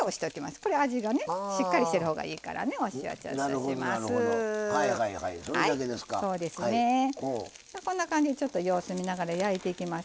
これ、味がしっかりしてるほうがいいですからお塩をちょっとします。